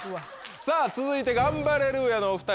さぁ続いてガンバレルーヤのお２人です。